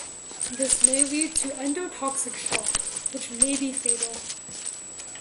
This may lead to endotoxic shock, which may be fatal.